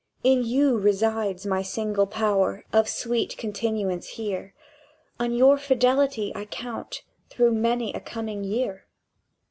"In you resides my single power Of sweet continuance here; On your fidelity I count Through many a coming year."